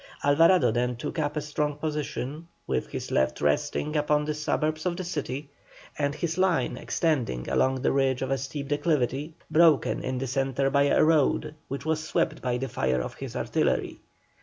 Alvarado then took up a strong position, with his left resting upon the suburbs of the city, and his line extending along the ridge of a steep declivity, broken in the centre by a road which was swept by the fire of his artillery.